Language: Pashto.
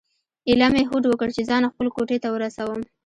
ایله مې هوډ وکړ چې ځان خپلو کوټې ته ورسوم.